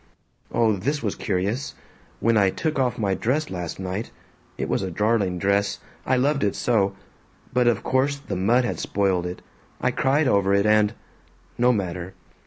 "Oh. This was curious: When I took off my dress last night it was a darling dress, I loved it so, but of course the mud had spoiled it. I cried over it and No matter.